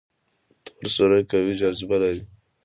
تور سوري قوي جاذبه لري.